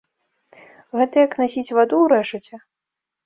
Гэта як насіць ваду ў рэшаце.